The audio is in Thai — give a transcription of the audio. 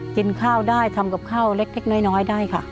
กินข้าวได้ทำกับข้าวเล็กน้อยได้ค่ะ